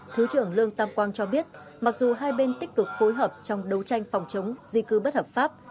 thứ trưởng lương tam quang cho biết mặc dù hai bên tích cực phối hợp trong đấu tranh phòng chống di cư bất hợp pháp